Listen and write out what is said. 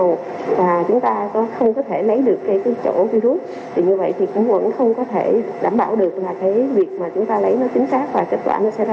như vậy thì cũng vẫn không có thể đảm bảo được việc chúng ta lấy nó chính xác và kết quả nó sẽ ra không chính xác